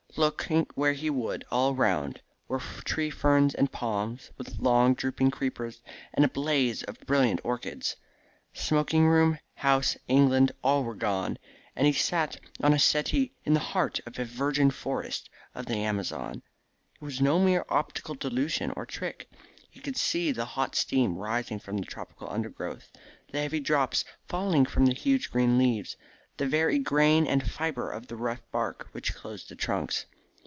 Look where he would all round were tree ferns and palms with long drooping creepers, and a blaze of brilliant orchids. Smoking room, house, England, all were gone, and he sat on a settee in the heart of a virgin forest of the Amazon. It was no mere optical delusion or trick. He could see the hot steam rising from the tropical undergrowth, the heavy drops falling from the huge green leaves, the very grain and fibre of the rough bark which clothed the trunks.